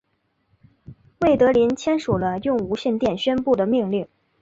魏德林签署了用无线电宣布的命令。